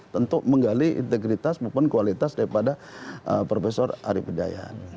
tentu menggali integritas maupun kualitas daripada prof ari pedayan